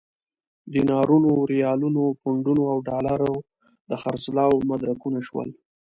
دینارونو، ریالونو، پونډونو او ډالرو د خرڅلاو مدرکونه شول.